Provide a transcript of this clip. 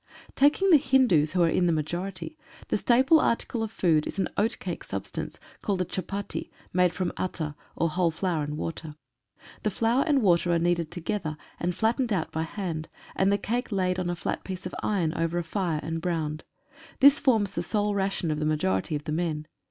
Taking the Hindus, who are in the majority, the staple article of food is an oatcake substance called a chupatti, made from atta, or whole flour and water. The flour and water are kneaded together and flattened out by hand, and the cake laid on a flat piece of iron over a fire and browned. This forms the sole ration of the ma jority of the men.